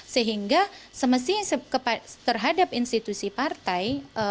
sehingga semestinya terhadap institusi partai adalah sesuatu yang esok diperlukan